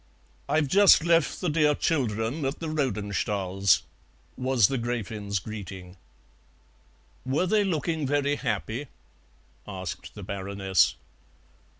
"I've just left the dear children at the Rodenstahls'," was the Gräfin's greeting. "Were they looking very happy?" asked the Baroness.